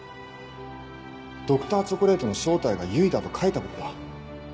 Ｄｒ．チョコレートの正体が唯だと書いたことだ。